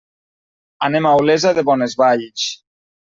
Anem a Olesa de Bonesvalls.